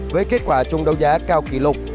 với kết quả chung đấu giá cao kỷ lục